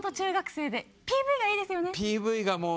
ＰＶがもう。